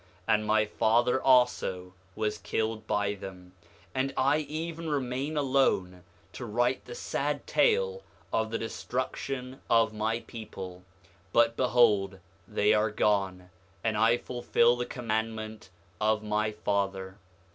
8:3 And my father also was killed by them, and I even remain alone to write the sad tale of the destruction of my people. But behold, they are gone, and I fulfil the commandment of my father.